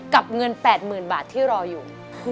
กับเงินแปดหมื่นบาทที่รออยู่